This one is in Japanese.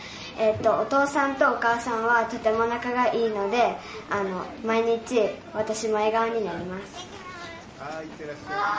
お父さんとお母さんはとても仲がいいので毎日私も笑顔になりますいってらっしゃい。